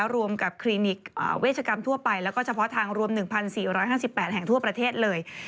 รวมกับคลินิกเวชกรรมทั่วไปแล้วก็เฉพาะทางรวม๑๔๕๘แห่งทั่วประเทศเลย